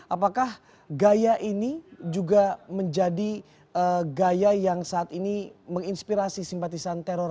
apakah gaya ini juga menjadi gaya yang saat ini menginspirasi simpatisan teror